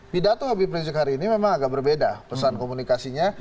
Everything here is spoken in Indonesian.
di datu habib rizieq hari ini memang agak berbeda pesan komunikasinya